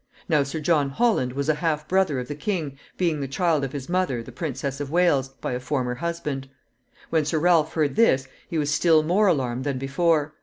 Now Sir John Holland was a half brother of the king, being the child of his mother, the Princess of Wales, by a former husband. When Sir Ralph heard this, he was still more alarmed than before.